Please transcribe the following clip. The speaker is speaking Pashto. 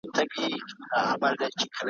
په زړه خواشیني د کابل ښکلي ,